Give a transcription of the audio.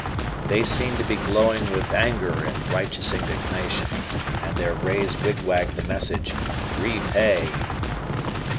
They seemed to be glowing with anger and righteous indignation, and their rays wigwagged the message, "REPAY!"